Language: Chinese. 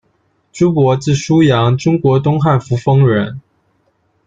朱勃，字叔阳，中国东汉扶风人。